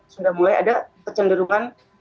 sudah mulai ada kecenderungan